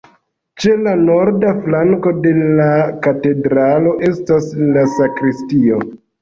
Ĉe la norda flanko de la katedralo estas la sakristio.